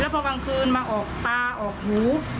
และพวกวันคืนมาออกตาออกหู